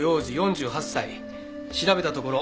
調べたところ